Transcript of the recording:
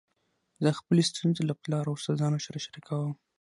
زه خپلي ستونزي له پلار او استادانو سره شریکوم.